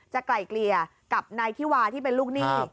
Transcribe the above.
ไกลเกลี่ยกับนายธิวาที่เป็นลูกหนี้